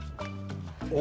お。